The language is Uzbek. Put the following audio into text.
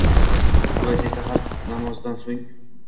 Buvasi esa har namozdan so`ng